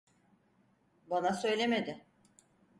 Bana söylemedi.